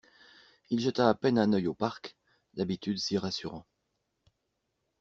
Il jeta à peine un œil au parc, d’habitude si rassurant.